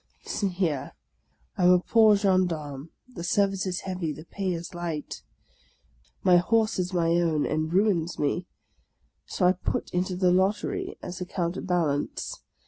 Listen here, I am a poor gendarme; the service is heavy, the pay is light; my horse is my own, and ruins me. So I put into the lottery as a counterbalance.